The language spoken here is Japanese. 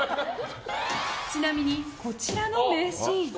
ちなみに、こちらの名シーン。